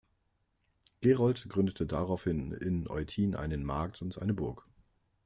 Gerold gründete daraufhin in Eutin einen Markt und eine Burg.